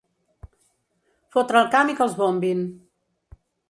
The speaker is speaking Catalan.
Fotre el camp i que els bombin.